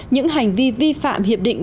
những hành vi vi phạm hiệp định